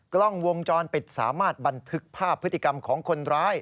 กล้องวงจรปิดสามารถบันทึกภาพพฤติกรรมของคนร้าย